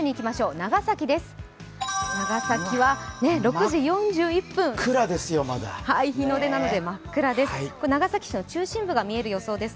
長崎は６時４１分、日の出なので真っ暗です。